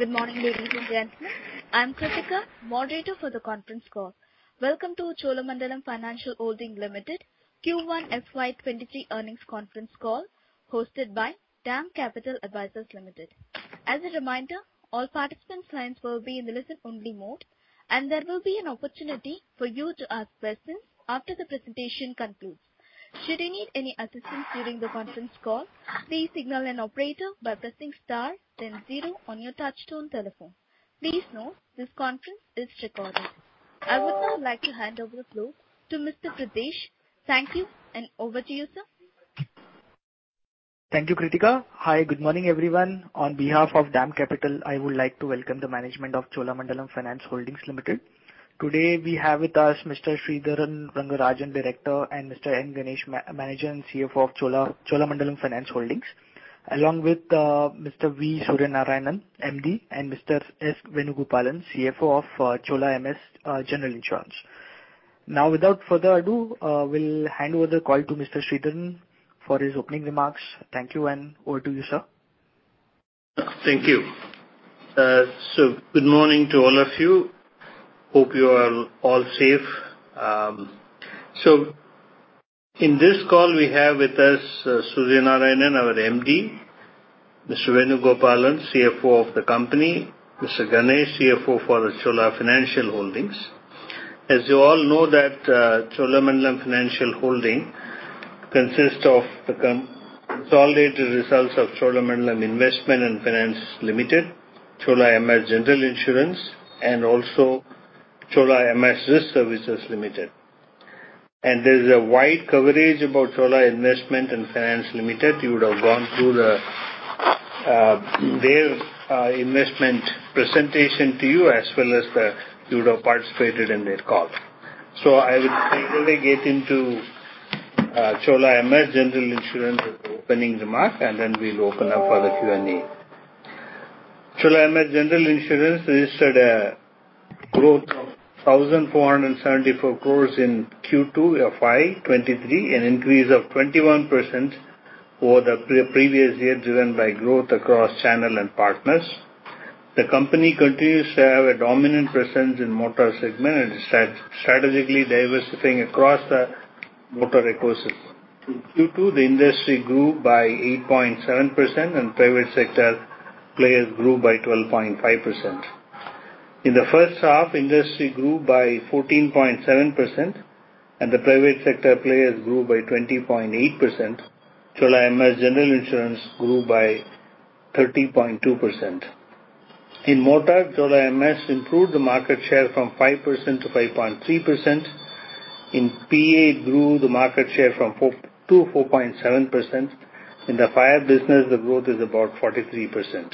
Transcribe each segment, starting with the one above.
Good morning, ladies and gentlemen. I'm Kritika, moderator for the conference call. Welcome to Cholamandalam Financial Holdings Limited Q1 FY23 earnings conference call hosted by DAM Capital Advisors Limited. As a reminder, all participant lines will be in the listen-only mode, and there will be an opportunity for you to ask questions after the presentation concludes. Should you need any assistance during the conference call, please signal an operator by pressing star then zero on your touchtone telephone. Please note this conference is recorded. I would now like to hand over the floor to Mr. Pritesh. Thank you and over to you, sir. Thank you, Kritika. Hi, good morning, everyone. On behalf of DAM Capital, I would like to welcome the management of Cholamandalam Financial Holdings Limited. Today we have with us Mr. Sridharan Rangarajan, Director, and Mr. N. Ganesh, Manager and CFO of Cholamandalam Financial Holdings, along with Mr. V. Suryanarayanan, MD, and Mr. S. Venugopalan, CFO of Cholamandalam MS General Insurance. Now, without further ado, we'll hand over the call to Mr. Sridharan for his opening remarks. Thank you and over to you, sir. Thank you. Good morning to all of you. Hope you are all safe. In this call we have with us V. Suryanarayanan, our MD, S. Venugopalan, CFO of the company, N. Ganesh, CFO for the Cholamandalam Financial Holdings Limited. As you all know that Cholamandalam Financial Holdings Limited consists of the consolidated results of Cholamandalam Investment and Finance Company Limited, Cholamandalam MS General Insurance, and also Cholamandalam MS Risk Services Limited. There's a wide coverage about Cholamandalam Investment and Finance Company Limited. You would have gone through their investment presentation to you as well. You would have participated in their call. I would directly get into Cholamandalam MS General Insurance with the opening remark, and then we'll open up for the Q&A. Cholamandalam MS General Insurance registered a growth of 1,474 crore in Q2 of FY23, an increase of 21% over the previous year, driven by growth across channel and partners. The company continues to have a dominant presence in motor segment and is strategically diversifying across the motor ecosystem. In Q2, the industry grew by 8.7% and private sector players grew by 12.5%. In the first half, industry grew by 14.7% and the private sector players grew by 20.8%. Cholamandalam MS General Insurance grew by 30.2%. In motor, Cholamandalam MS improved the market share from 5%-5.3%. In PA, the market share grew from 2.7%-4%. In the fire business, the growth is about 43%.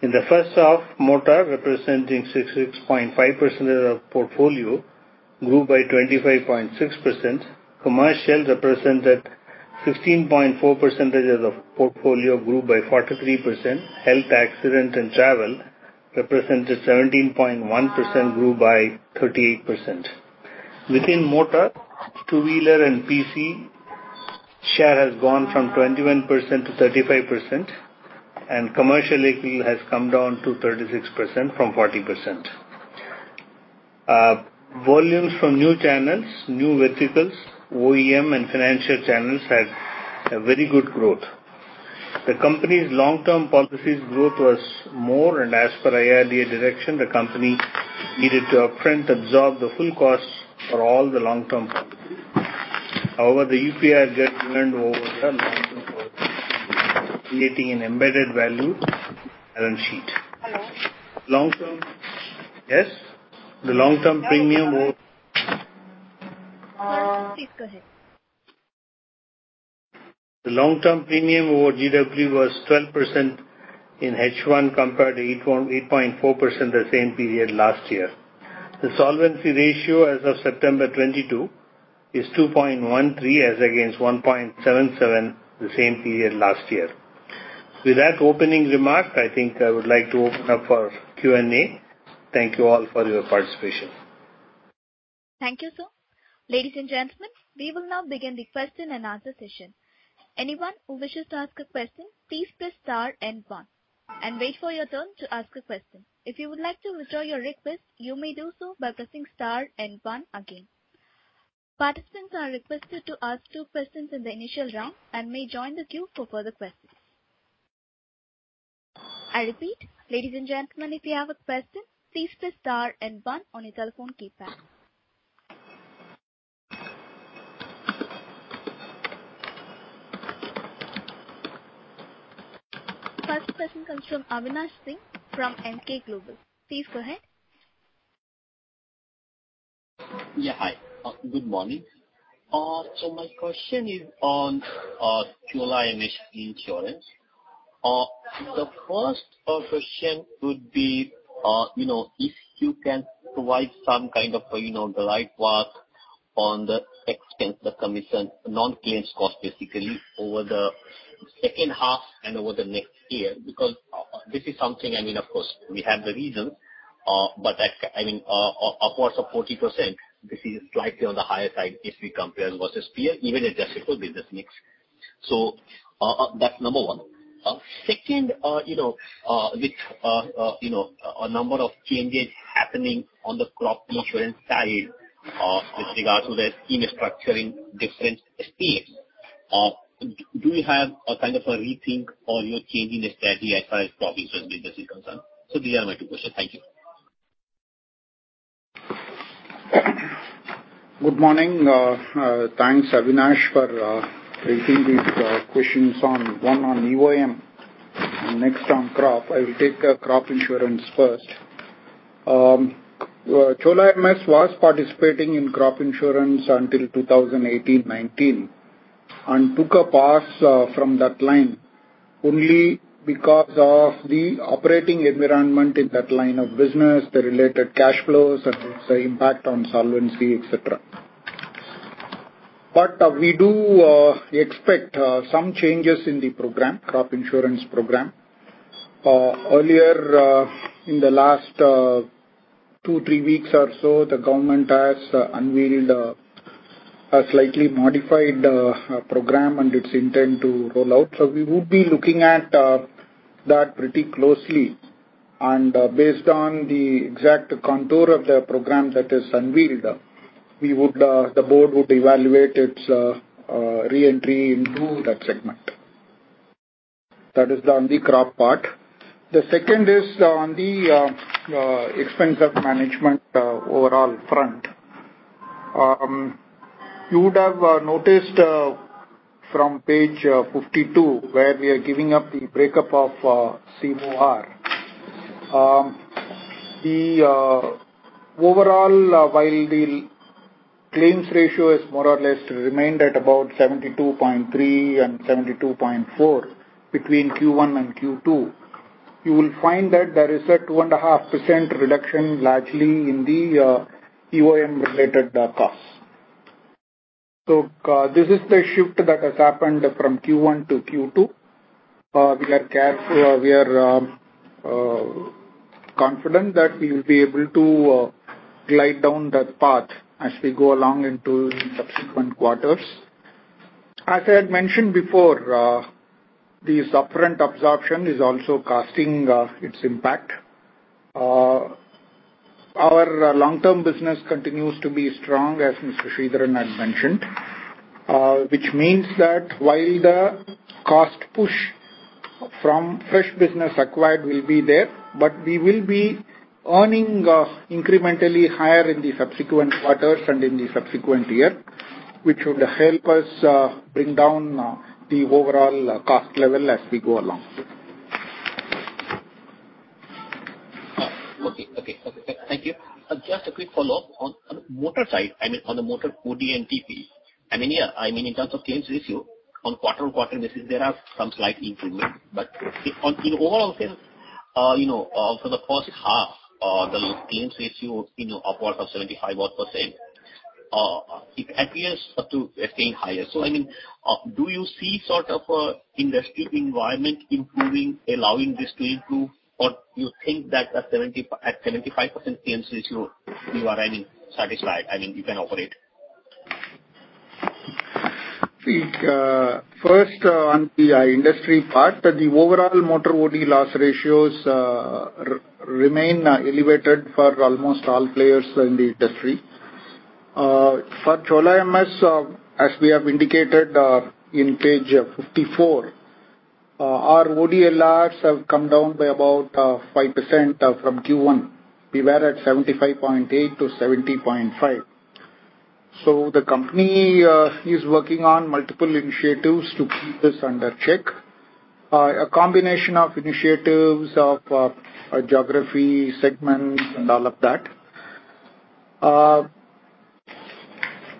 In the first half, motor, representing 66.5% of the portfolio, grew by 25.6%. Commercial represented 16.4% of portfolio, grew by 43%. Health, accident, and travel represented 17.1%, grew by 38%. Within motor, two-wheeler and PC share has gone from 21%-35%, and commercial AC has come down to 36% from 40%. Volumes from new channels, new verticals, OEM and financial channels had a very good growth. The company's long-term policies growth was more, and as per IRDA direction, the company needed to upfront absorb the full cost for all the long-term policies. However, the UPR adjustment over the long-term creating an embedded value balance sheet. Hello? Long-term. Yes. The long-term premium over. Please go ahead. The long-term premium over GWP was 12% in H1 compared to 8.4% the same period last year. The solvency ratio as of September 2022 is 2.13 as against 1.77 the same period last year. With that opening remark, I think I would like to open up for Q&A. Thank you all for your participation. Thank you, sir. Ladies and gentlemen, we will now begin the question and answer session. Anyone who wishes to ask a question, please press star and one and wait for your turn to ask a question. If you would like to withdraw your request, you may do so by pressing star and one again. Participants are requested to ask two questions in the initial round and may join the queue for further questions. I repeat, ladies and gentlemen, if you have a question, please press star and one on your telephone keypad. First question comes from Avinash Singh from Emkay Global. Please go ahead. Yeah, hi. Good morning. My question is on Chola MS Insurance. The first question would be, you know, if you can provide some kind of, you know, the right path on the expense, the commission, non-claims cost basically over the second half and over the next year, because this is something, I mean, of course, we have the reason, but like, I mean, upwards of 40%, this is slightly on the higher side if we compare versus peer, even adjustable business mix. That's number one. Second, you know, a number of changes happening on the crop insurance side, with regard to the scheme structuring different schemes, do you have a kind of a rethink or you're changing the strategy as far as crop insurance business is concerned? These are my two questions. Thank you. Good morning. Thanks, Avinash, for raising these questions, one on EOM and next on crop. I will take crop insurance first. Chola MS was participating in crop insurance until 2018/19, and took a pause from that line only because of the operating environment in that line of business, the related cash flows and its impact on solvency, et cetera. We do expect some changes in the program, crop insurance program. Earlier, in the last 2-3 weeks or so, the government has unveiled a slightly modified program and its intent to roll out. We would be looking at that pretty closely. Based on the exact contour of the program that is unveiled, the board would evaluate its re-entry into that segment. That is on the crop part. The second is on the expense of management overall front. You would have noticed from page 52, where we are giving the breakup of COR. Overall, while the claims ratio is more or less remained at about 72.3% and 72.4% between Q1 and Q2, you will find that there is a 2.5% reduction largely in the EOM related costs. This is the shift that has happened from Q1 to Q2. We are confident that we will be able to glide down that path as we go along into subsequent quarters. As I had mentioned before, the suffering absorption is also casting its impact. Our long-term business continues to be strong, as Mr. Sridharan has mentioned, which means that while the cost push from fresh business acquired will be there, but we will be earning incrementally higher in the subsequent quarters and in the subsequent year, which should help us bring down the overall cost level as we go along. Okay. Thank you. Just a quick follow-up. On the motor side, I mean, on the motor OD and TP, I mean, yeah, I mean, in terms of claims ratio, on quarter-on-quarter basis, there are some slight improvement. In overall sales, you know, for the first half, the claims ratio is upward of 75-odd%, it appears to be staying higher. I mean, do you see sort of an industry environment improving, allowing this to improve, or you think that at 75% claims ratio you are, I mean, satisfied, I mean, you can operate? The first on the industry part, the overall motor OD loss ratios remain elevated for almost all players in the industry. For Chola MS, as we have indicated in page 54, our ODLRs have come down by about 5% from Q1. We were at 75.8-70.5%. The company is working on multiple initiatives to keep this under check. A combination of initiatives of geography segment and all of that.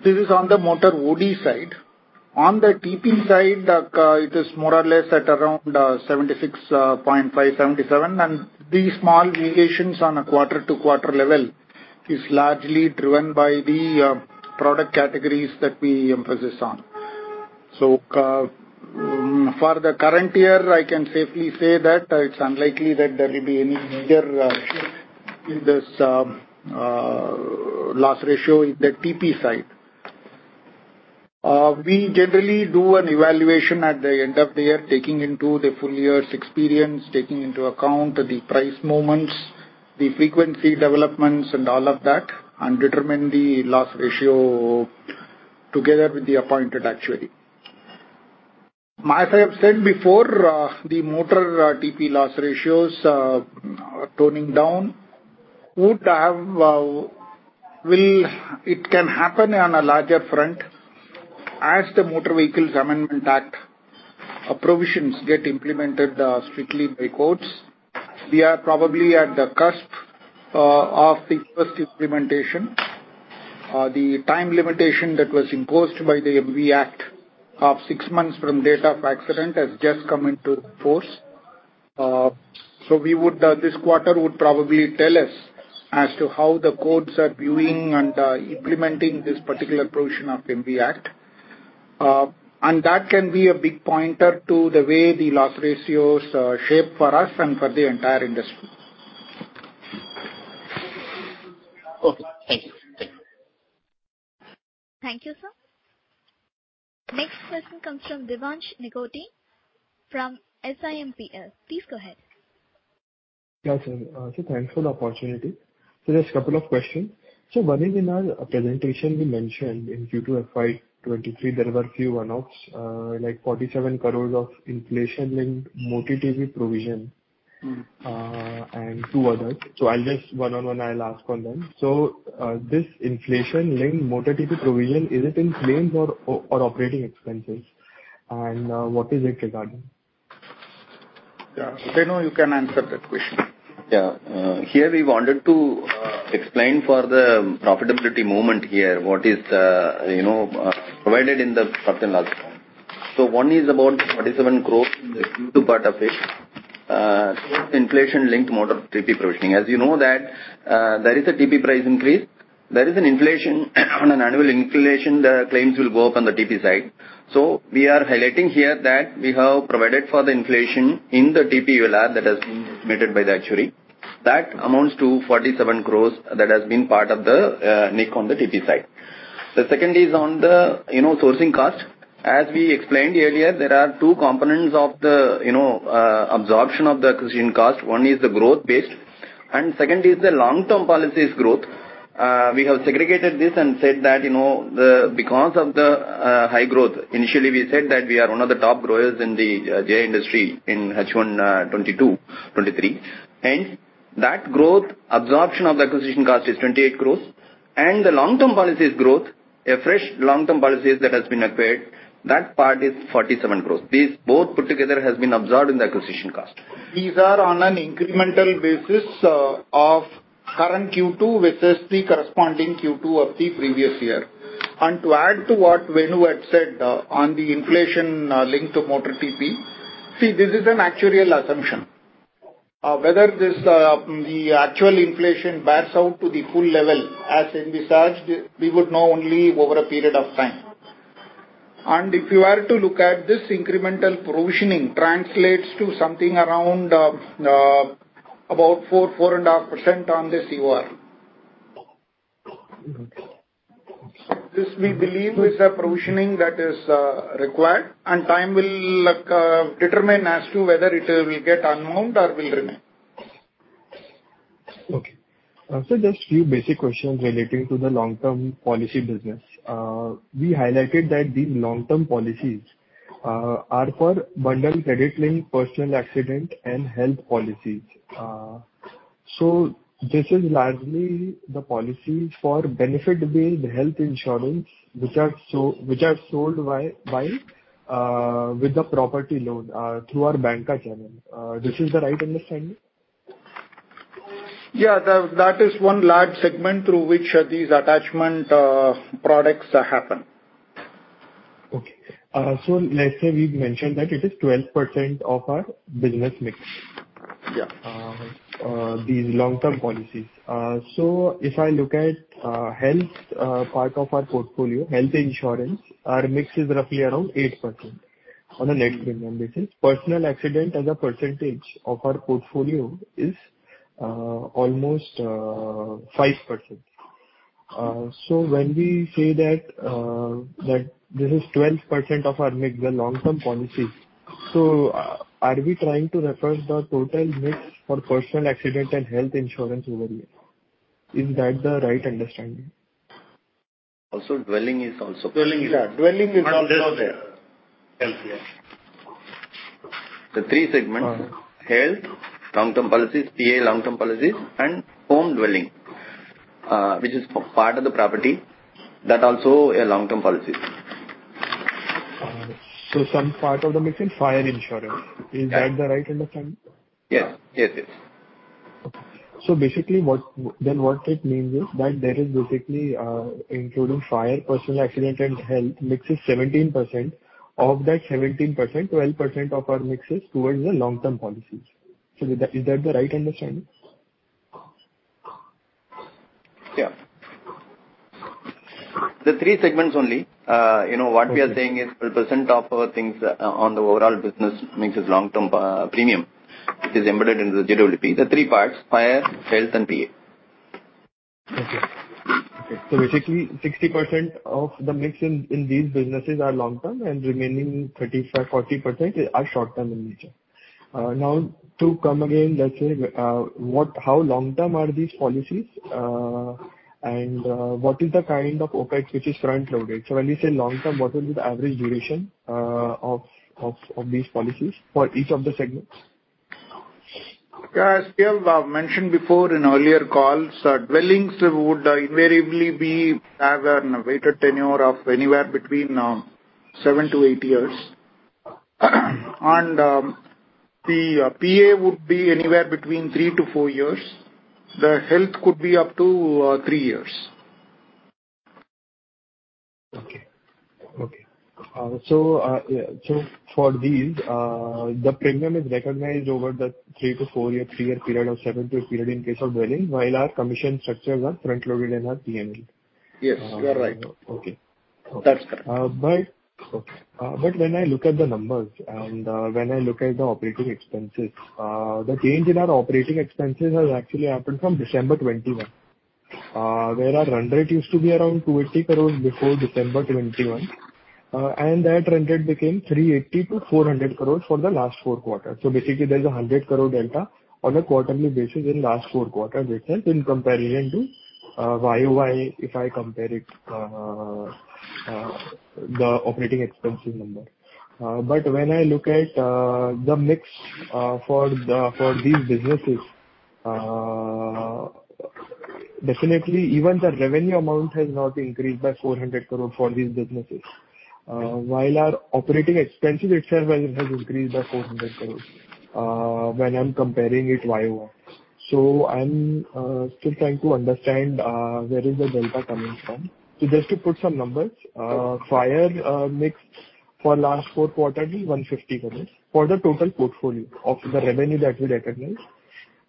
This is on the motor OD side. On the TP side, it is more or less at around 76.5-77%. These small variations on a quarter-to-quarter level is largely driven by the product categories that we emphasize on. For the current year, I can safely say that it's unlikely that there will be any major shift in this loss ratio in the TP side. We generally do an evaluation at the end of the year, taking into account the full year's experience, taking into account the price movements, the frequency developments and all of that, and determine the loss ratio together with the appointed actuary. As I have said before, the motor TP loss ratios toning down it can happen on a larger front as the Motor Vehicles (Amendment) Act provisions get implemented strictly by courts. We are probably at the cusp of the first implementation. The time limitation that was imposed by the MV Act of six months from date of accident has just come into force. This quarter would probably tell us as to how the courts are viewing and implementing this particular provision of MV Act. That can be a big pointer to the way the loss ratios shape for us and for the entire industry. Okay. Thank you. Thank you, sir. Next question comes from Devansh Nigotia from SIMPL. Please go ahead. Yeah, sure. Thanks for the opportunity. Just couple of questions. One is, in our presentation we mentioned in Q2 FY2023, there were a few one-offs, like 47 crore of inflation-linked motor TP provision. Mm-hmm. Two others. I'll just one on one I'll ask on them. This inflation-linked motor TP provision, is it in claims or operating expenses and what is it regarding? Yeah. Venu, you can answer that question. Yeah. Here we wanted to explain for the profitability movement here, what is, you know, provided in the first and last one. One is about 47 crore in the Q2 part of it, towards inflation-linked motor TP provisioning. As you know that, there is a TP price increase. There is an inflation. On an annual inflation, the claims will go up on the TP side. So, we are highlighting here that we have provided for the inflation in the TP ULR that has been vetted by the actuary, that amounts to 47 crores that has been part of the NIC on the TP side. The second is on the sourcing cost. As we explained earlier, there are two components of the absorption of the acquisition cost. One is the growth based and second is the long-term policies growth. We have segregated this and said that because we are one of the top growers in the industry in H1 2022- 2023 and that growth, absorption of the acquisition cost is 28 crores and the long-term policy’s growth, a fresh long-term policy that has been acquired, that part is 47 crores. These both put together has been absorbed in the acquisition cost. These are on an incremental basis of current Q2 with the corresponding Q2 of the previous year. And to add to what Venu had said, on the inflation linked to Motor TP, see this is an actuarial assumption. Whether this actual inflation bears out to the full level as envisaged, we would know only over a period of time. And if you were to look at this incremental provisioning translates to something around about four and a half percent on the COR. This we believe with the provisioning that is required and time will determine as to whether it will get unwound or will remain. Okay. Just few basic questions relating to the long-term policy business. We highlighted that the long-term policies are for bundled credit link personal accident and health policies. This is largely the policy for benefit-based health insurance which are sold by with the property loan through our banker channel. This is the right understanding? Yeah. That is one large segment through which these attachment products happen. Okay, let's say we've mentioned that it is 12% of our business mix. Yeah. These long-term policies. If I look at health, part of our portfolio, health insurance, our mix is roughly around 8% on a net premium basis. Personal accident as a percentage of our portfolio is almost 5%. When we say that this is 12% of our mix, the long-term policies, are we trying to refer to the total mix for personal accident and health insurance over here? Is that the right understanding? Also, dwelling is also. Dwelling is- Yeah. Dwelling is also there. Health, yeah. The three segments: health, long-term policies, PA long-term policies, and home dwelling, which is part of the property. That also a long-term policy. All right. Some part of the mix is fire insurance. Is that the right understanding? Yeah. Yes, yes. What it means is that there is basically, including fire, personal accident and health mix is 17%. Of that 17%, 12% of our mix is towards the long-term policies. Is that the right understanding? Yeah. The three segments only. You know, what we are saying is 12% of our things on the overall business mix is long-term premium, which is embedded into the GWP. The three parts, fire, health and PA. Okay. Basically 60% of the mix in these businesses are long term and remaining 35%-40% are short term in nature. Now to come again, let's say, what, how long term are these policies? And what is the kind of OpEx which is front-loaded? When you say long term, what will be the average duration of these policies for each of the segments? As we have mentioned before in earlier calls, dwellings would invariably have a weighted tenure of anywhere between 7-8 years. The PA would be anywhere between 3-4 years. The health could be up to three years. For these, the premium is recognized over the 3-4 year period or seven year period in case of dwelling while our commission structures are front-loaded in our P&L. Yes, you are right. Okay. That's correct. When I look at the numbers and the operating expenses, the change in our operating expenses has actually happened from December 2021. Where our run rate used to be around INR 280 crores before December 2021, and that run rate became 380-400 crores for the last four quarters. Basically there's a 100 crore delta on a quarterly basis in the last four quarters itself in comparison to YOY, if I compare it, the operating expenses number. When I look at the mix for these businesses, definitely even the revenue amount has not increased by 400 crores for these businesses, while our operating expenses itself has increased by 400 crores, when I'm comparing it YOY. I'm still trying to understand where is the delta coming from? Just to put some numbers, fire mix for last four quarters is 150 crores for the total portfolio of the revenue that we recognized.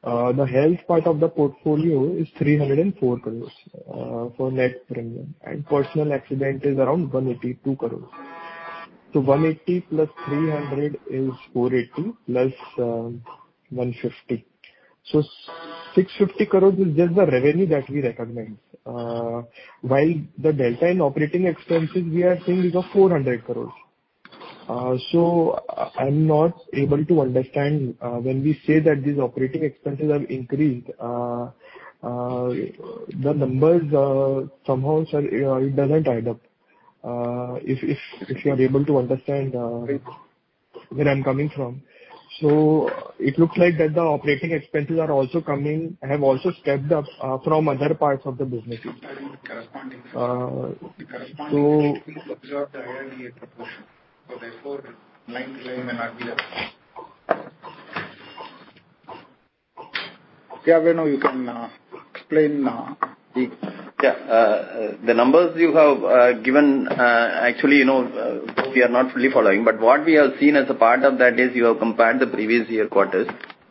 The health part of the portfolio is 304 crores for net premium. Personal accident is around 182 crores. 180 plus 300 is 480, plus 150. 650 crores is just the revenue that we recognized, while the delta in operating expenses we are saying is of 400 crores. I'm not able to understand when we say that these operating expenses have increased. The numbers somehow, sir, it doesn't add up. If you are able to understand where I'm coming from? It looks like that the operating expenses have also stepped up from other parts of the business. Corresponding. Uh, so-The core spending absorbed the earlier proportion. Line to line may not be there. Yeah, Venu, you can explain the- Yeah. The numbers you have given, actually, you know, we are not fully following. What we have seen as a part of that is you have compared the previous year quarters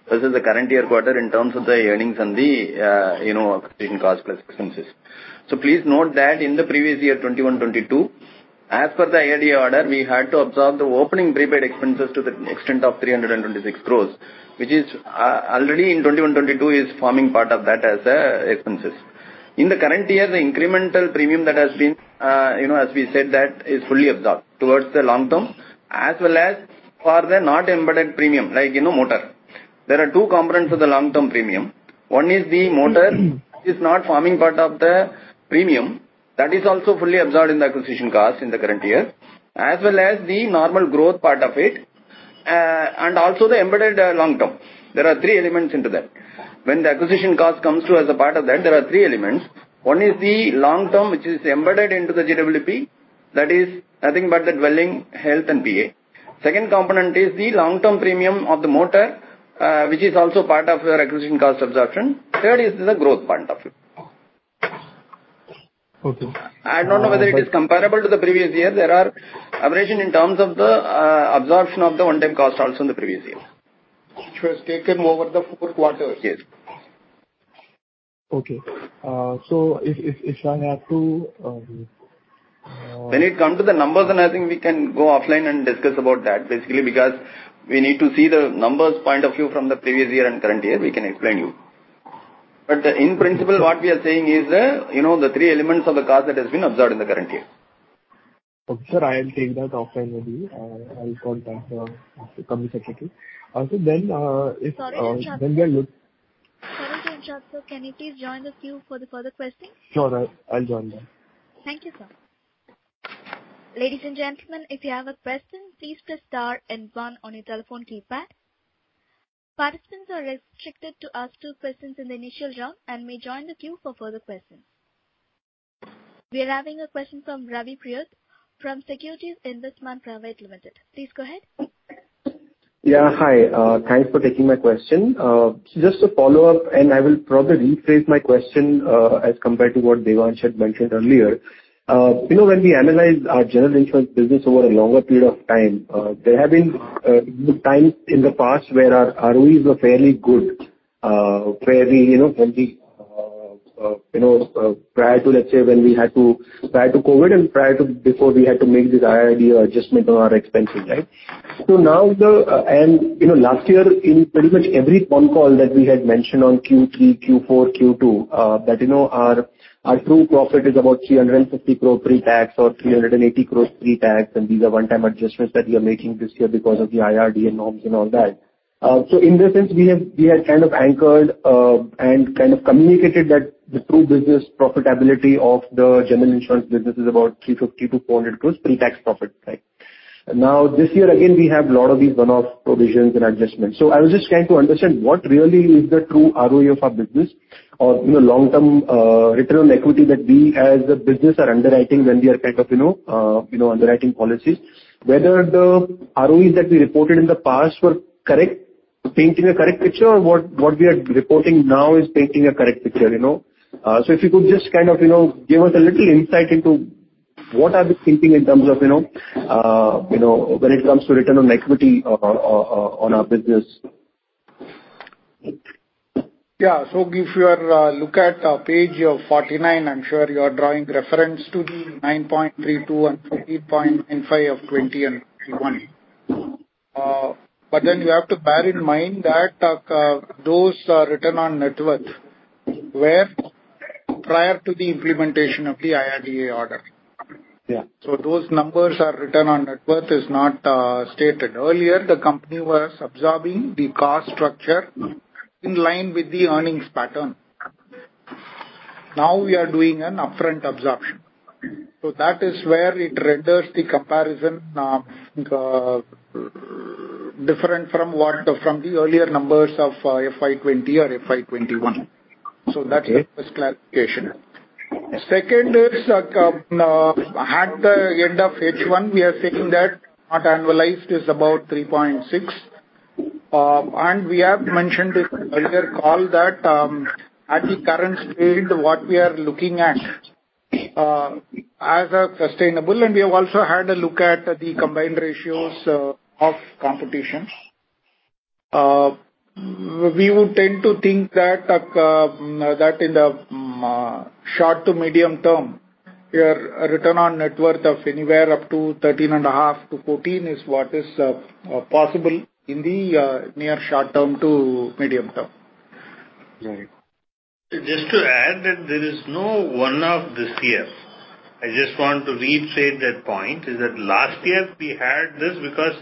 versus the current year quarter in terms of the earnings and the, you know, acquisition cost plus expenses. Please note that in the previous year, 2021, 2022, as per the IRDA order, we had to absorb the opening prepaid expenses to the extent of 326 crores, which is already in 2021, 2022 is forming part of that as the expenses. In the current year, the incremental premium that has been, you know, as we said, that is fully absorbed towards the long term. As well as for the non-embedded premium, like, you know, motor. There are two components of the long-term premium. One is the motor, which is not forming part of the premium. That is also fully absorbed in the acquisition cost in the current year. As well as the normal growth part of it and also the embedded long term. There are three elements into that. When the acquisition cost comes to as a part of that, there are three elements. One is the long term, which is embedded into the GWP. That is nothing but the dwelling, health and PA. Second component is the long-term premium of the motor, which is also part of your acquisition cost absorption. Third is the growth part of it. Okay. I don't know whether it is comparable to the previous year. There are aberrations in terms of the absorption of the one-time cost also in the previous year. Which was taken over the four quarters. Yes. Okay. If I have to When it come to the numbers, then I think we can go offline and discuss about that. Basically, because we need to see the numbers point of view from the previous year and current year, we can explain you. In principle, what we are saying is the, you know, the three elements of the cost that has been absorbed in the current year. Okay, sir, I will take that offline with you. I will contact our company secretary. Sorry to interrupt. Then we are look- Sorry to interrupt, sir. Can you please join the queue for the further questions? Sure, I'll join that. Thank you, sir. Ladies and gentlemen, if you have a question, please press star and one on your telephone keypad. Participants are restricted to ask two questions in the initial round and may join the queue for further questions. We are having a question from Ravi Purohit from Securities Investment Management Private Limited. Please go ahead. Yeah, hi. Thanks for taking my question. Just a follow-up. I will probably rephrase my question, as compared to what Devansh had mentioned earlier. You know, when we analyze our general insurance business over a longer period of time, there have been times in the past where our ROEs were fairly good, where we, you know, when we, you know, prior to, let's say, prior to COVID and prior to before we had to make this IRDA adjustment on our expenses, right? You know, last year in pretty much every con call that we had mentioned on Q3, Q4, Q2, that, you know, our true profit is about 350 crore pre-tax or 380 crores pre-tax, and these are one-time adjustments that we are making this year because of the IRDA norms and all that. In this sense we have kind of anchored and kind of communicated that the true business profitability of the general insurance business is about 350-400 crores pre-tax profit, right? Now, this year again we have a lot of these one-off provisions and adjustments. I was just trying to understand what really is the true ROE of our business or, you know, long-term return on equity that we as a business are underwriting when we are kind of, you know, underwriting policies. Whether the ROEs that we reported in the past were correct, painting a correct picture, or what we are reporting now is painting a correct picture, you know. If you could just kind of, you know, give us a little insight into what are we thinking in terms of, you know, when it comes to return on equity on our business. Yeah. If you look at page 49, I'm sure you are drawing reference to the 9.32% and 40.95% of 2020 and 2021. You have to bear in mind that those are return on net worth prior to the implementation of the IRDA order. Yeah. Those numbers are return on net worth is not stated. Earlier, the company was observing the cost structure in line with the earnings pattern. Now we are doing an upfront absorption. That is where it renders the comparison different from the earlier numbers of FY 2020 or FY 2021. That is first clarification. Second is, at the end of H1, we are saying that the annualized is about 3.6%. We have mentioned in earlier call that, at the current state, that we are looking at as sustainable, and we have also had a look at the combined ratios of competitors. We would tend to think that in the short to medium term, your return on net worth of anywhere up to 13.5%-14% is what is possible in the near short term to medium term. Right. Just to add that there is no one-off this year. I just want to restate that point is that last year we had this because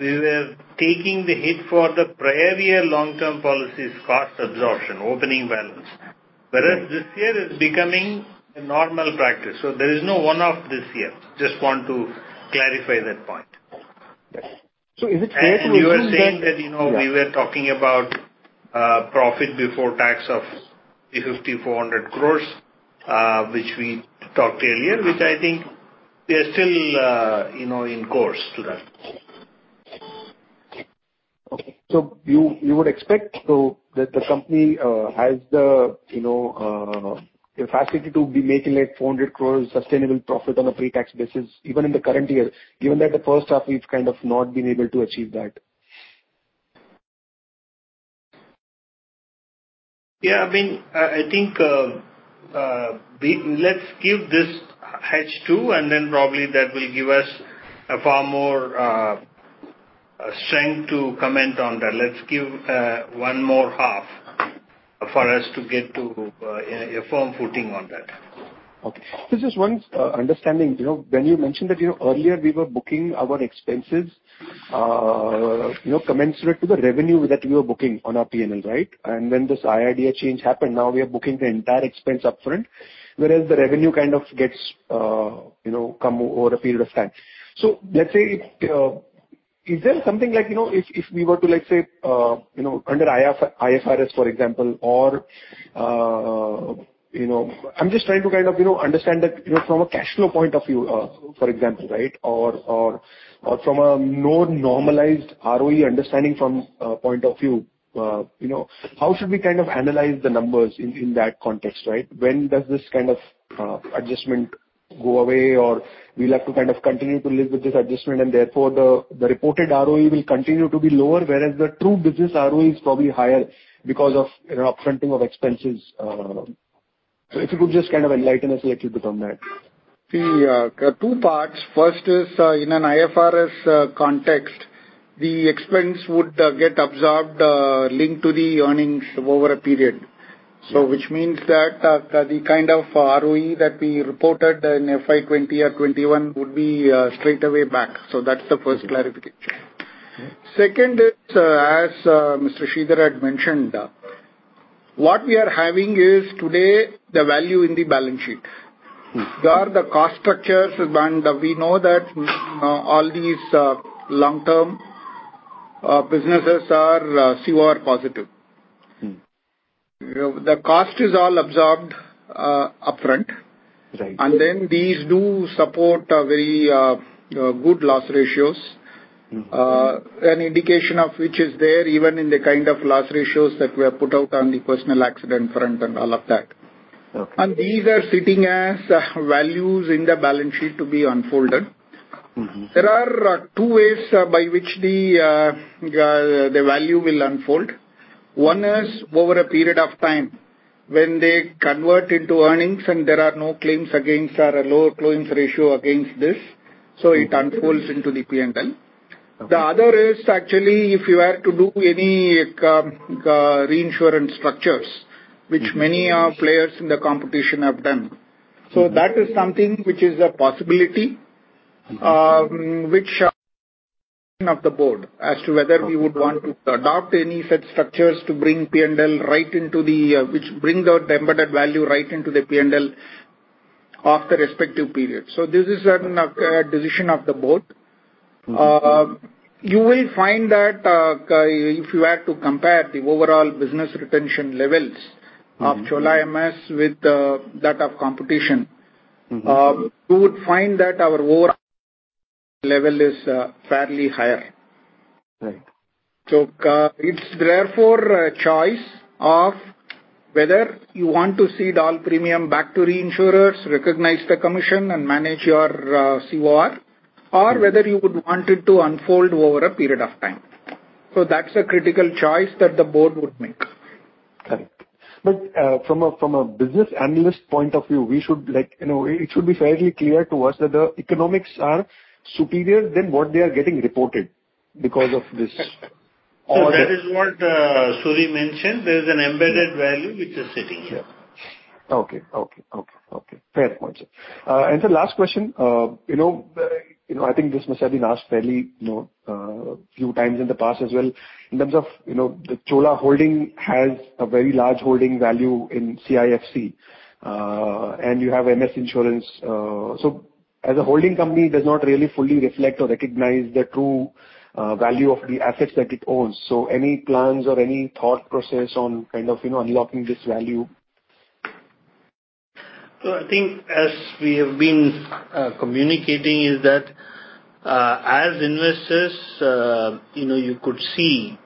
we were taking the hit for the prior year long-term policies cost absorption, opening balance. Whereas this year is becoming a normal practice. There is no one-off this year. Just want to clarify that point. Yes. Is it safe to assume that- You are saying that, you know, we were talking about profit before tax of 5,400 crore, which we talked earlier, which I think we are still, you know, on course to that. Okay. You would expect that the company has the, you know, the capacity to be making a 400 crore sustainable profit on a pre-tax basis even in the current year, given that the first half it's kind of not been able to achieve that. Yeah. I mean, I think, let's give this H2, and then probably that will give us far more strength to comment on that. Let's give one more half for us to get to a firm footing on that. Okay. This is one understanding. You know, when you mentioned that, you know, earlier we were booking our expenses, you know, commensurate to the revenue that we were booking on our P&L, right? When this IRDA change happened, now we are booking the entire expense up front, whereas the revenue kind of gets, you know, come over a period of time. Let's say if is there something like, you know, if we were to, like, say, you know, under IFRS, for example, or, you know. I'm just trying to kind of, you know, understand that, you know, from a cash flow point of view, for example, right? Or from a non-normalized ROE understanding from point of view, you know, how should we kind of analyze the numbers in that context, right? When does this kind of adjustment go away, or we'll have to kind of continue to live with this adjustment and therefore the reported ROE will continue to be lower, whereas the true business ROE is probably higher because of, you know, upfronting of expenses. If you could just kind of enlighten us a little bit on that. The two parts. First is, in an IFRS context, the expense would get absorbed, linked to the earnings over a period. Which means that the kind of ROE that we reported in FY 2020 or 2021 would be straightaway back. That's the first clarification. Okay. Second is, as Mr. Sridharan Rangarajan had mentioned, what we are having is today the value in the balance sheet. Mm-hmm. There are the cost structures, and we know that all these long-term businesses are COR positive. Mm-hmm. You know, the cost is all absorbed upfront. Right. These do support a very good Loss Ratios. Mm-hmm. An indication of which is there even in the kind of loss ratios that were put out on the personal accident front and all of that. Okay. These are sitting as values in the balance sheet to be unfolded. Mm-hmm. There are two ways by which the value will unfold. One is over a period of time when they convert into earnings and there are no claims against or a low claims ratio against this, so it unfolds into the P&L. Okay. The other is actually if you were to do any reinsurance structures, which many players in the competition have done. That is something which is a possibility, which is for the board as to whether we would want to adopt any such structures which brings out the embedded value right into the P&L of the respective periods. This is a decision of the board. You will find that if you were to compare the overall business retention levels of Chola MS with that of competition. Mm-hmm. You would find that our overall level is fairly higher. Right. It's therefore a choice of whether you want to cede all premium back to reinsurers, recognize the commission and manage your COR, or whether you would want it to unfold over a period of time. That's a critical choice that the board would make. Correct. From a business analyst point of view, we should like, you know, it should be fairly clear to us that the economics are superior than what they are getting reported because of this. That is what Suri mentioned. There is an embedded value which is sitting here. Okay. Fair point, sir. Sir, last question. You know, I think this must have been asked fairly few times in the past as well, in terms of, you know, the Chola Holdings has a very large holding value in CIFC, and you have MS Insurance. So as a holding company it does not really fully reflect or recognize the true value of the assets that it owns. So any plans or any thought process on kind of, you know, unlocking this value? I think as we have been communicating is that, as investors, you know, you could see,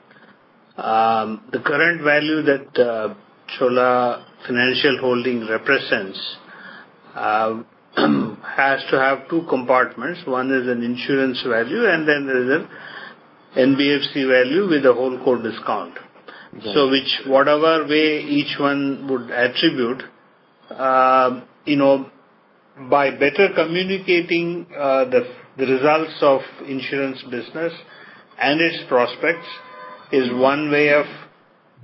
the current value that Cholamandalam Financial Holdings represents, has to have two compartments. One is an insurance value and then there is an NBFC value with the whole core discount. Yes. Whichever way each one would attribute, you know, by better communicating the results of insurance business and its prospects is one way of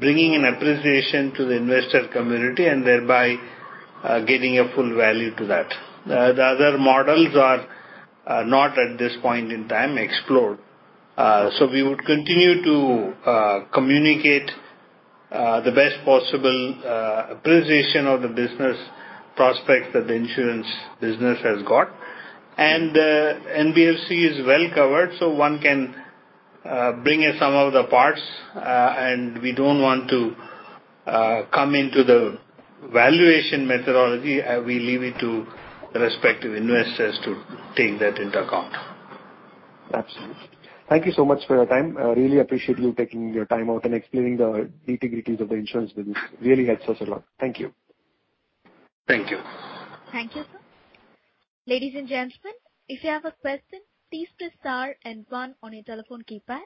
bringing an appreciation to the investor community and thereby giving a full value to that. The other models are not at this point in time explored. We would continue to communicate the best possible appreciation of the business prospects that the insurance business has got. NBFC is well covered, so one can bring in some of the parts. We don't want to come into the valuation methodology. We leave it to the respective investors to take that into account. Absolutely. Thank you so much for your time. I really appreciate you taking your time out and explaining the nitty-gritties of the insurance business. Really helps us a lot. Thank you. Thank you. Thank you, sir. Ladies and gentlemen, if you have a question, please press star and one on your telephone keypad.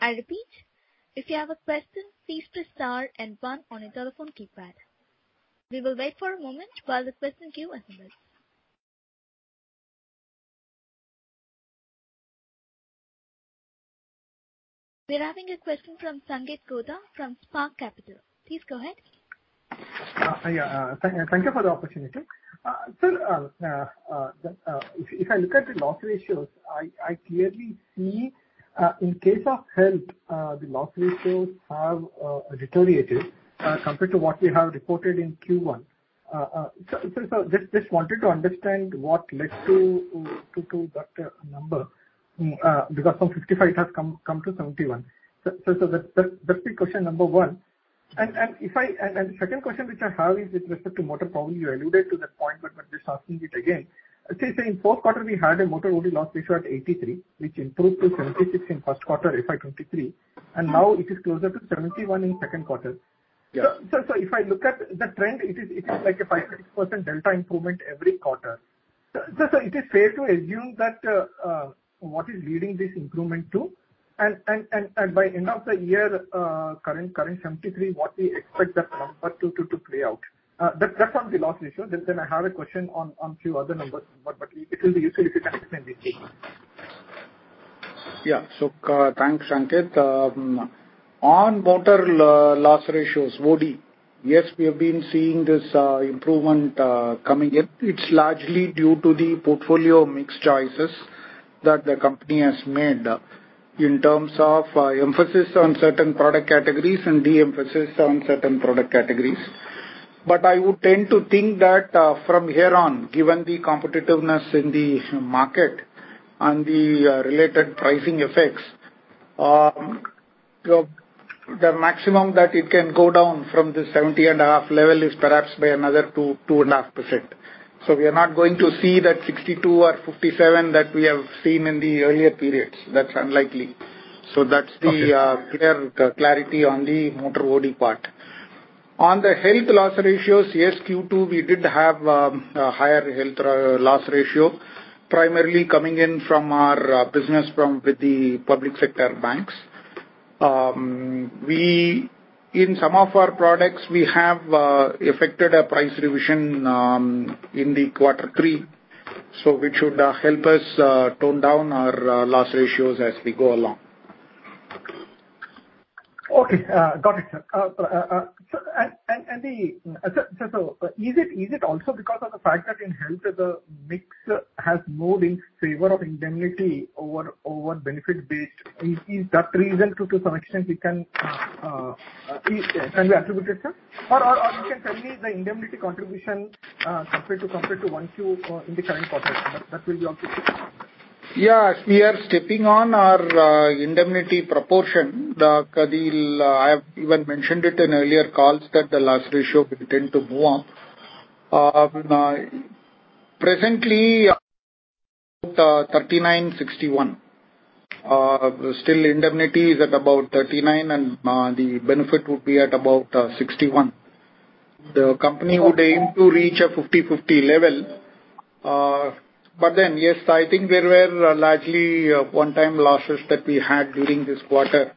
I repeat, if you have a question, please press star and one on your telephone keypad. We will wait for a moment while the question queue assembles. We are having a question from Sanket Godha, from Spark Capital. Please go ahead. Thank you for the opportunity. Sir, if I look at the loss ratios, I clearly see in case of health the loss ratios have deteriorated compared to what we have reported in Q1. So sir just wanted to understand what led to that number. Because from 55% it has come to 71%. So that's the question number one. Second question which I have is with respect to motor. Probably you alluded to that point but just asking it again. Say in fourth quarter we had a motor OD loss ratio at 83%, which improved to 76% in first quarter FY 2023, and now it is closer to 71% in second quarter. Yeah. If I look at the trend, it is like a 5-6% delta improvement every quarter. It is fair to assume that what is leading to this improvement. By end of the year, current 73, what we expect that number to play out. That's on the loss ratio. I have a question on few other numbers, but it will be useful if you can explain this please. Yeah. Thanks, Sanket Godha. On motor loss ratios, OD, yes, we have been seeing this improvement coming in. It's largely due to the portfolio mix choices that the company has made in terms of emphasis on certain product categories and de-emphasis on certain product categories. I would tend to think that from here on, given the competitiveness in the market and the related pricing effects, the maximum that it can go down from the 70.5% level is perhaps by another 2%-2.5%. We are not going to see that 62% or 57% that we have seen in the earlier periods. That's unlikely. Okay. That's the clarity on the motor OD part. On the health loss ratios, yes, Q2 we did have a higher health loss ratio, primarily coming in from our business with the public sector banks. In some of our products, we have effected a price revision in the quarter three, which should help us tone down our loss ratios as we go along. Okay. Got it, sir. Is it also because of the fact that in health the mix has moved in favor of indemnity over benefit-based? Is that reason to some extent we can attribute it, sir? Or you can tell me the indemnity contribution compared to 1Q in the current quarter. That will be also good. We are stepping up our indemnity proportion. I have even mentioned it in earlier calls that the loss ratio will tend to move up. Presently 39%, 61%. Still indemnity is at about 39%, and the benefit would be at about 61%. The company would aim to reach a 50/50 level. Yes, I think there were largely one-time losses that we had during this quarter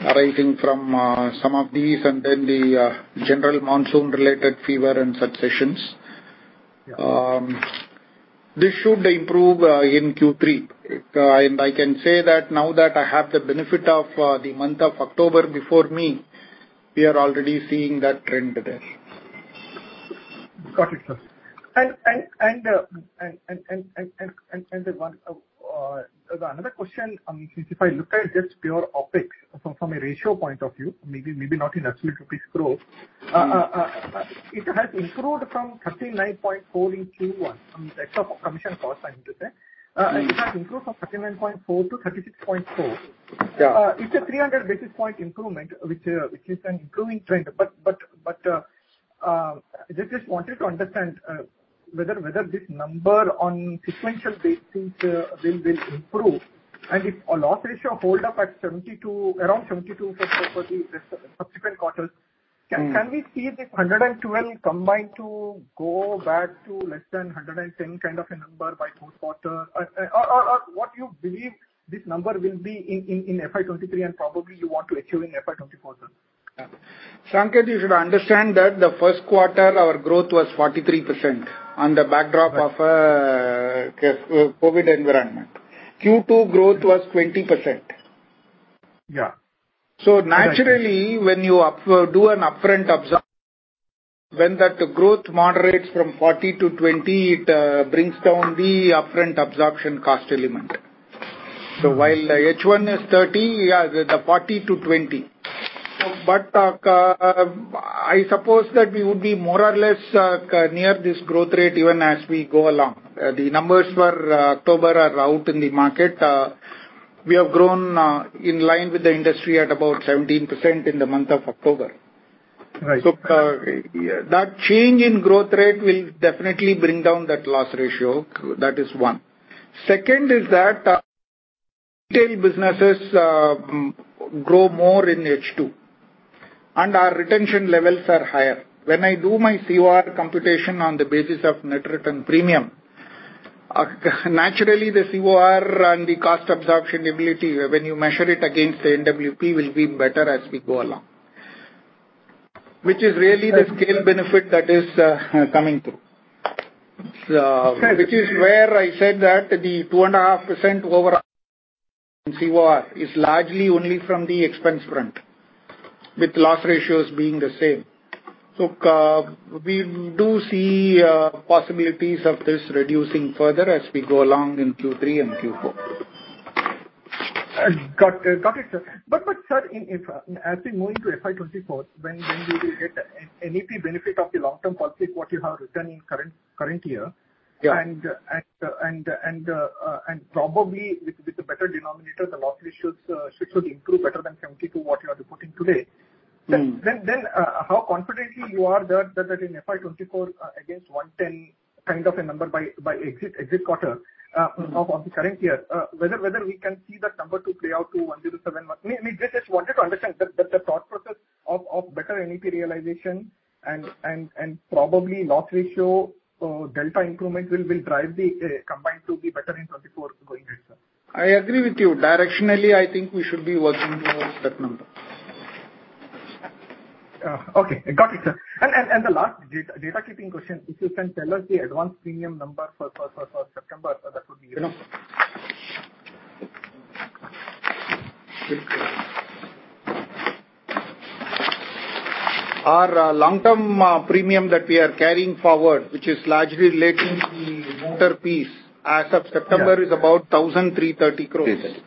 arising from some of these and then the general monsoon-related fever and such situations. Yeah. This should improve in Q3. I can say that now that I have the benefit of the month of October before me, we are already seeing that trend there. Got it, sir. Another question on if I look at just pure OpEx from a ratio point of view, maybe not in absolute rupees growth, it has improved from 39.4% in Q1 from the types of commission costs I understand. It has improved from 39.4%-36.4%. Yeah. It's a 300 basis points improvement, which is an improving trend. Just wanted to understand whether this number on sequential basis will improve. If a loss ratio hold up at 72%, around 72% for the rest of the subsequent quarters- Mm. Can we see this 112 combined to go back to less than 110 kind of a number by fourth quarter? Or what you believe this number will be in FY23 and probably you want to achieve in FY24, sir? Sanket, you should understand that the first quarter our growth was 43% on the backdrop of COVID environment. Q2 growth was 20%. Yeah. Naturally, when that growth moderates from 40%-20%, it brings down the upfront absorption cost element. While H1 is 30%, yeah, the 40%-20%. I suppose that we would be more or less near this growth rate even as we go along. The numbers for October are out in the market. We have grown in line with the industry at about 17% in the month of October. Right. That change in growth rate will definitely bring down that loss ratio. That is one. Second is that retail businesses grow more in H2, and our retention levels are higher. When I do my COR computation on the basis of net written premium, naturally, the COR and the cost absorption ability when you measure it against the NWP will be better as we go along. Which is really the scale benefit that is coming through. Okay. Which is where I said that the 2.5% over in COR is largely only from the expense front, with loss ratios being the same. We do see possibilities of this reducing further as we go along in Q3 and Q4. Got it, sir. Sir, as we move into FY 2024, when we will get NEP benefit of the long-term profit what you have written in current year. Yeah. Probably with the better denominator, the loss ratios should improve better than 70% to what you are reporting today. Mm. How confident you are that in FY2024 against 110 kind of a number by exit quarter of the current year, whether we can see that number to play out to 107. We just wanted to understand the thought process of better NEP realization and probably loss ratio delta improvement will drive the combined to be better in 2024 going ahead, sir. I agree with you. Directionally, I think we should be working towards that number. Okay. Got it, sir. The last housekeeping question. If you can tell us the advance premium number for September, sir, that would be great. You know, our long-term premium that we are carrying forward, which is largely relating to the motor piece as of September is about 1,330 crores. 330.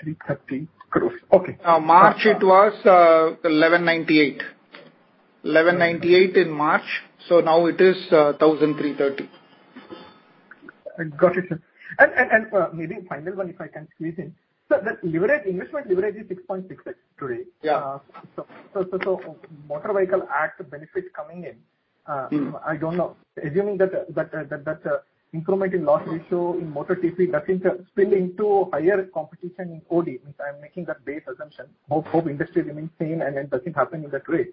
1,330 crores. Okay. March it was, 1,198. 1,198 in March, so now it is, 1,030. Got it, sir. Maybe final one if I can squeeze in. Sir, the investment leverage is 6.6x today. Yeah. Motor Vehicles Act benefit coming in. Mm. I don't know. Assuming that improvement in loss ratio in motor TP doesn't spill into higher competition in OD, means I'm making that base assumption. Hope industry remains same and it doesn't happen in that way.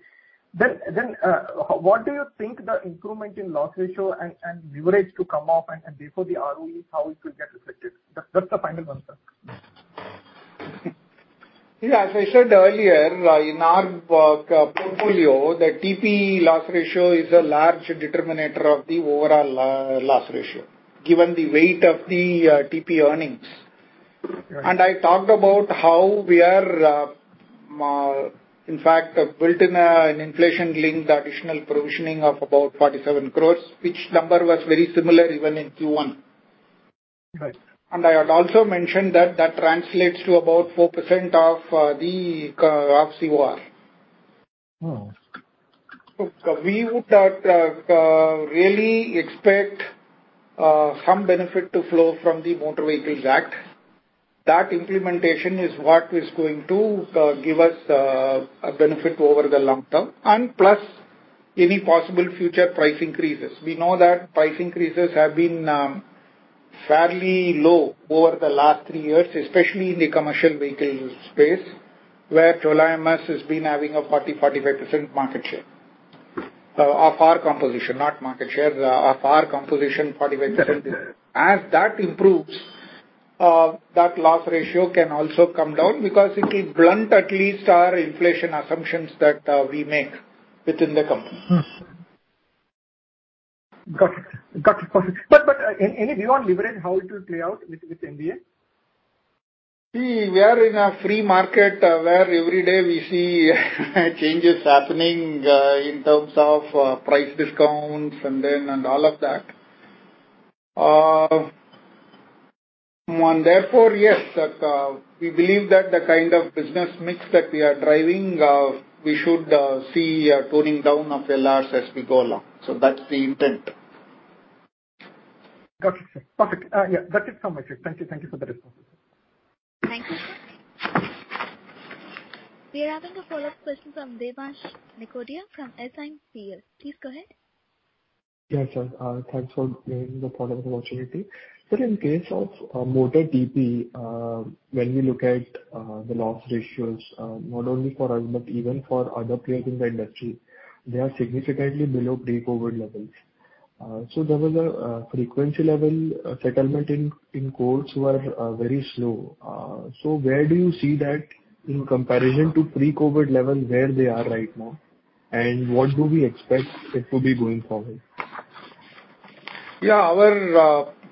What do you think the improvement in loss ratio and leverage to come up and therefore the ROE, how it will get reflected? That's the final one, sir. Yeah. As I said earlier, in our portfolio, the TP loss ratio is a large determinant of the overall loss ratio, given the weight of the TP earnings. Right. I talked about how we are, in fact, built in an inflation-linked additional provisioning of about 47 crores, which number was very similar even in Q1. Right. I had also mentioned that that translates to about 4% of the COR. Oh. We would really expect some benefit to flow from the Motor Vehicles Act. That implementation is what is going to give us a benefit over the long term and plus any possible future price increases. We know that price increases have been fairly low over the last three years, especially in the commercial vehicle space, where Chola MS has been having a 40%-45% market share. Of our composition, not market share. Of our composition, 45%. Yes, sir. As that improves, that loss ratio can also come down because it will blunt at least our inflation assumptions that we make within the company. Got it. Perfect. Any view on leverage, how it will play out with M&A? See, we are in a free market where every day we see changes happening, in terms of price discounts and then, and all of that. Therefore, yes, that we believe that the kind of business mix that we are driving, we should see a toning down of the LRs as we go along. That's the intent. Got it, sir. Perfect. Yeah, that is from my side. Thank you. Thank you for the response. Thank you, sir. We are having a follow-up question from Devansh Nigotia from SIMPL. Please go ahead. Yes, sir. Thanks for giving the follow-up opportunity. In case of motor TP, when we look at the loss ratios, not only for us but even for other players in the industry, they are significantly below pre-COVID levels. There was a frequency level settlement in courts were very slow. Where do you see that in comparison to pre-COVID level, where they are right now? What do we expect it to be going forward? Yeah,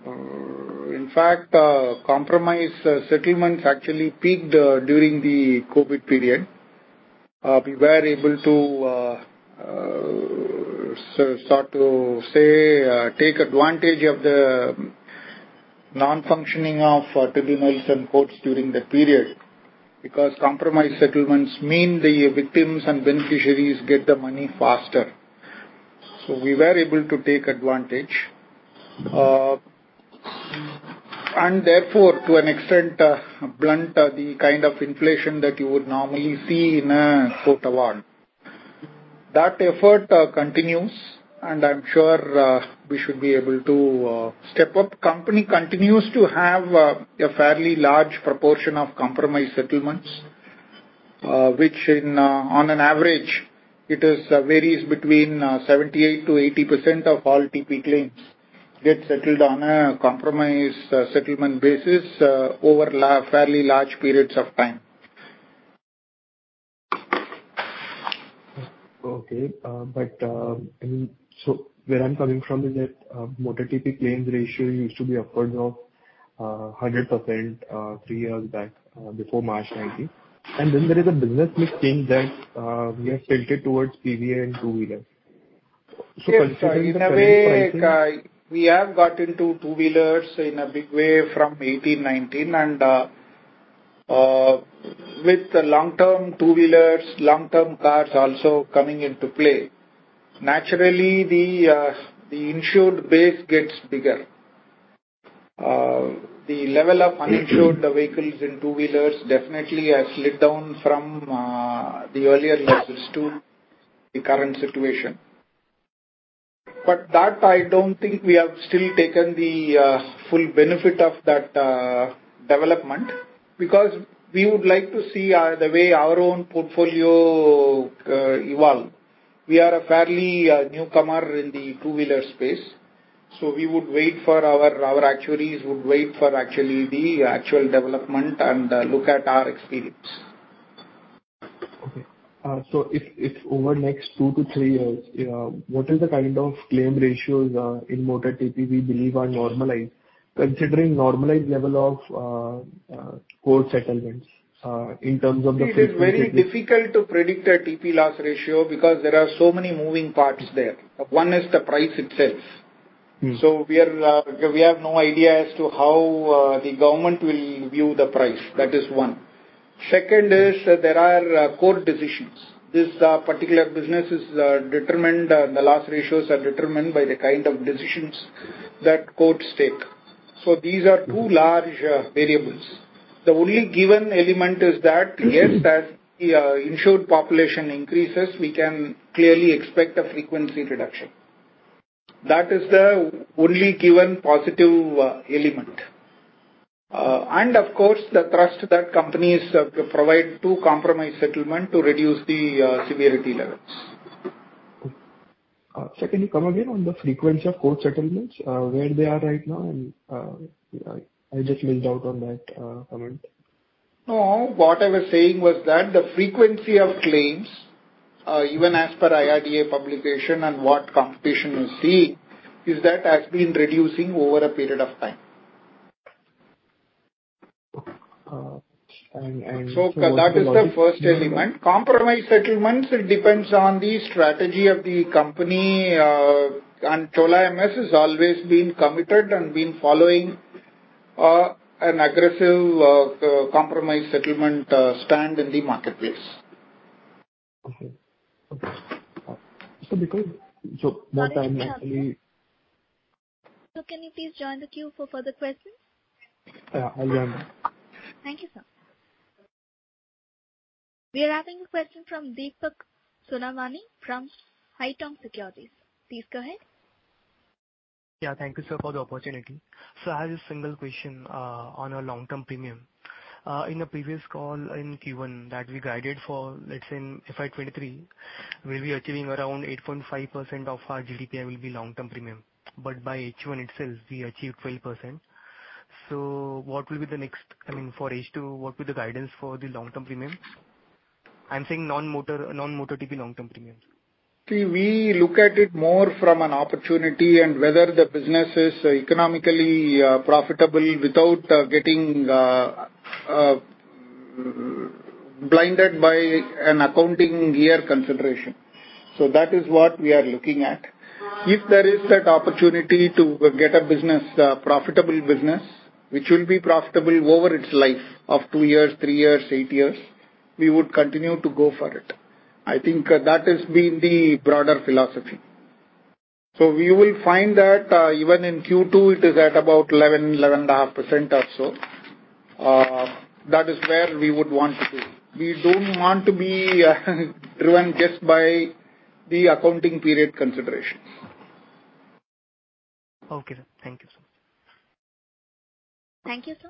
in fact, our compromise settlements actually peaked during the COVID period. We were able to take advantage of the non-functioning of tribunals and courts during that period, because compromise settlements mean the victims and beneficiaries get the money faster. We were able to take advantage. Therefore, to an extent, blunt the kind of inflation that you would normally see in a court award. That effort continues, and I'm sure we should be able to step up. Company continues to have a fairly large proportion of compromise settlements, which, on average, varies between 78%-80% of all TP claims get settled on a compromise settlement basis over fairly large periods of time. Okay. Where I'm coming from is that motor TP claims ratio used to be upwards of 100%, three years back, before March 2019. There is a business mix change that we have tilted towards PV and two-wheeler. Considering the current pricing- Yes. In a way, we have got into two-wheelers in a big way from 2018, 2019 and with the long-term two-wheelers, long-term cars also coming into play, naturally the insured base gets bigger. The level of uninsured vehicles in two-wheelers definitely has slid down from the earlier levels to the current situation. That I don't think we have still taken the full benefit of that development because we would like to see the way our own portfolio evolve. We are a fairly newcomer in the two-wheeler space, so we would wait for our actuaries would wait for actually the actual development and look at our experience. Okay. If over next 2-3 years, what is the kind of claim ratios in motor TP we believe are normalized, considering normalized level of court settlements in terms of the frequency? It is very difficult to predict a TP loss ratio because there are so many moving parts there. One is the price itself. Mm-hmm. We have no idea as to how the government will view the price. That is one. Second, there are court decisions. This particular business is determined, the loss ratios are determined by the kind of decisions that courts take. These are two large variables. The only given element is that. Mm-hmm. Yes, as the insured population increases, we can clearly expect a frequency reduction. That is the only given positive element. Of course, the thrust that companies provide to compromise settlement to reduce the severity levels. Okay. Sir, can you come again on the frequency of court settlements, where they are right now and, I'm just little doubt on that comment. No, what I was saying was that the frequency of claims, even as per IRDA publication and what competition you see, is that has been reducing over a period of time. Okay. What's the logic- That is the first element. Compromise settlements, it depends on the strategy of the company, and Chola MS has always been committed and been following an aggressive compromise settlement stance in the marketplace. More time actually. Sir, can you please join the queue for further questions? Yeah, I'll join. Thank you, sir. We are having a question from Deepak Sonawane from Haitong Securities. Please go ahead. Yeah, thank you, sir, for the opportunity. I have a single question on a long-term premium. In the previous call in Q1 that we guided for, let's say in FY 2023, we'll be achieving around 8.5% of our GWP will be long-term premium. By H1 itself, we achieved 12%. What will be the next, I mean, for H2, what will be the guidance for the long-term premium? I'm saying non-motor TP long-term premium. See, we look at it more from an opportunity and whether the business is economically profitable without getting blinded by an accounting year consideration. That is what we are looking at. If there is that opportunity to get a profitable business, which will be profitable over its life of two years, three years, eight years, we would continue to go for it. I think that has been the broader philosophy. We will find that even in Q2, it is at about 11-11.5% or so. That is where we would want to be. We don't want to be driven just by the accounting period considerations. Okay, sir. Thank you, sir. Thank you, sir.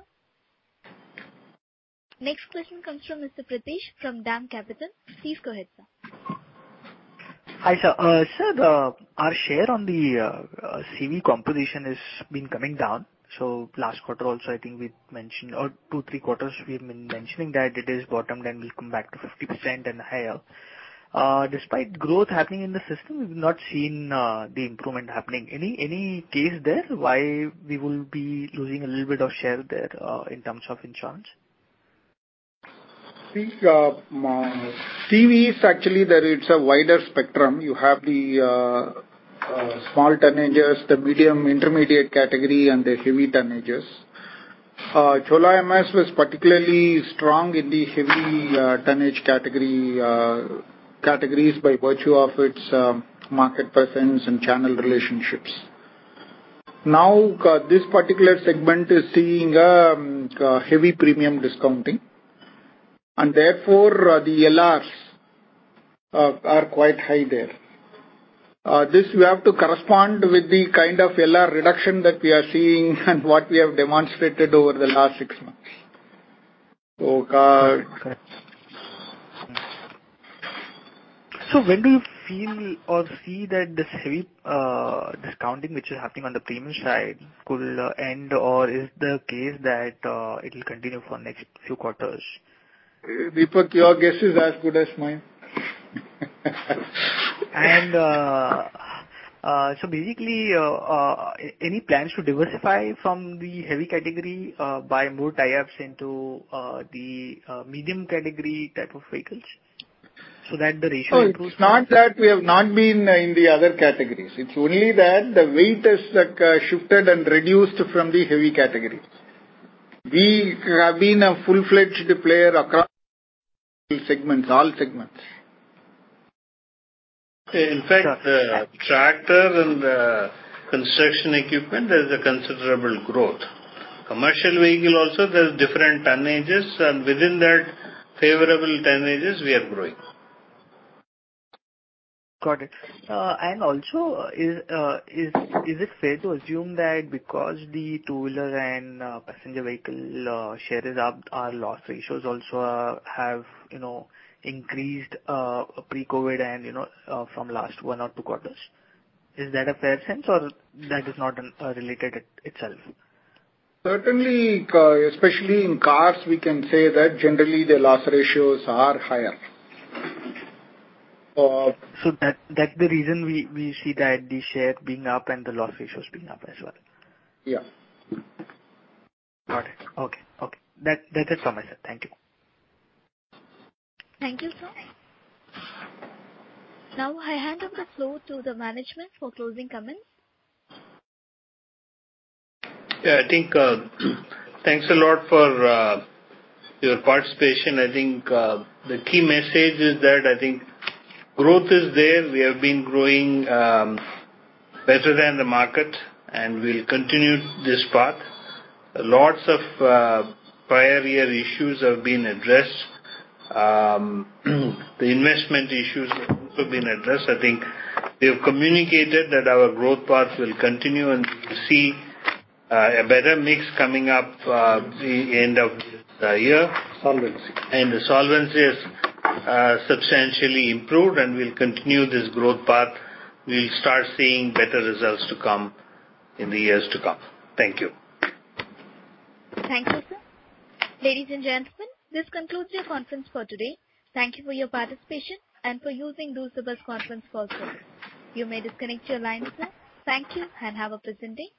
Next question comes from Mr. Pritesh from DAM Capital. Please go ahead, sir. Hi, sir. Sir, our share in the CV composition has been coming down. Last quarter also, I think we mentioned or two, three quarters, we've been mentioning that it is bottomed and will come back to 50% and higher. Despite growth happening in the system, we've not seen the improvement happening. Any case there why we will be losing a little bit of share there in terms of insurance? CV is actually there is a wider spectrum. You have the small tonnages, the medium intermediate category and the heavy tonnages. Chola MS was particularly strong in the heavy tonnage categories by virtue of its market presence and channel relationships. Now, this particular segment is seeing heavy premium discounting, and therefore, the LRs are quite high there. This will have to correspond with the kind of LR reduction that we are seeing and what we have demonstrated over the last six months. Correct. When do you feel or see that this heavy discounting which is happening on the premium side could end, or is the case that it'll continue for next few quarters? Deepak, your guess is as good as mine. Basically, any plans to diversify from the heavy category by more tie-ups into the medium category type of vehicles so that the ratio improves? No, it's not that we have not been in the other categories. It's only that the weight has, like, shifted and reduced from the heavy category. We have been a full-fledged player across segments, all segments. In fact, the tractor and the construction equipment, there's a considerable growth. Commercial vehicle also, there's different tonnages, and within that favorable tonnages, we are growing. Got it. Is it fair to assume that because the two-wheeler and passenger vehicle share is up, our loss ratios also have, you know, increased pre-COVID and, you know, from last one or two quarters? Is that a fair sense or that is not related itself? Certainly, especially in cars, we can say that generally the loss ratios are higher. That's the reason we see that the share being up and the loss ratios being up as well. Yeah. Got it. Okay. That is all, sir. Thank you. Thank you, sir. Now, I hand off the floor to the management for closing comments. Yeah, I think, thanks a lot for your participation. I think, the key message is that I think growth is there. We have been growing, better than the market, and we'll continue this path. Lots of prior year issues have been addressed. The investment issues have also been addressed. I think we have communicated that our growth path will continue and we see a better mix coming up, the end of the year. Solvency. The solvency is substantially improved and will continue this growth path. We'll start seeing better results to come in the years to come. Thank you. Thank you, sir. Ladies and gentlemen, this concludes your conference for today. Thank you for your participation and for using the conference call service. You may disconnect your lines now. Thank you and have a pleasant day.